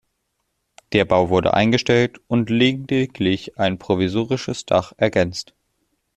Der Bau wurde eingestellt und lediglich ein provisorisches Dach ergänzt.